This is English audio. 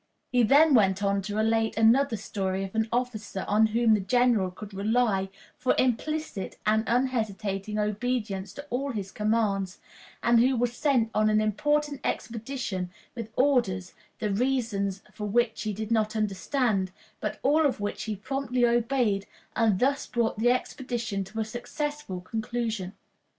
He then went on to relate another story of an officer on whom the general could rely for implicit and unhesitating obedience to all his commands, and who was sent on an important expedition with orders, the reasons for which he did not understand, but all of which he promptly obeyed, and thus brought the expedition to a successful conclusion.